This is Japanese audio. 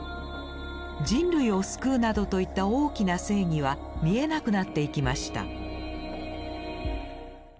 人類を救うなどといった大きな正義は見えなくなっていきました。